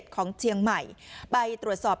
ของเชียงใหม่ไปตรวจสอบ